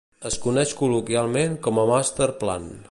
Es coneix col·loquialment com a "Master Plan".